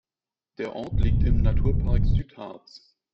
Der Ort liegt im Naturpark Südharz.